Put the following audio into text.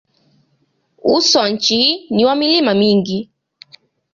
Uso wa nchi ni wa milima mingi.